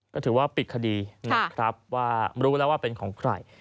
ก็ถือว่าปิดคดีรู้แล้วว่าเป็นของใคร